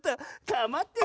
かまってよ